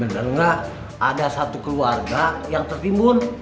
bener gak ada satu keluarga yang tertimbun